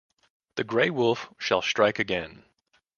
The Grey Wolf shall strike again.